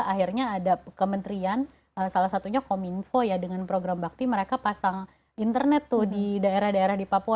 akhirnya ada kementerian salah satunya kominfo ya dengan program bakti mereka pasang internet tuh di daerah daerah di papua